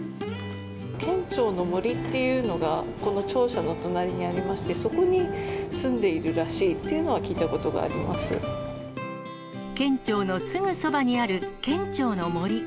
県庁の森っていうのが、この庁舎の隣にありまして、そこに住んでいるらしいというの県庁のすぐそばにある県庁の森。